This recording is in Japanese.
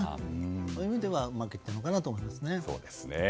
そういう意味ではうまくいったのかなと思いますね。